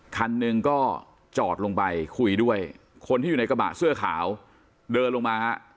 คันหนึ่งก็จอดลงไปคุยด้วยคนที่อยู่ในกระบะเสื้อขาวเดินลงมาฮะ